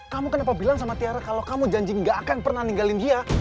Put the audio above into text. kamu kenapa bilang sama tiara kalau kamu janji gak akan pernah ninggalin dia